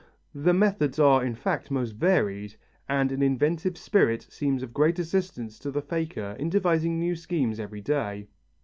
The methods are, in fact, most varied, and an inventive spirit seems of great assistance to the faker in devising new schemes every day.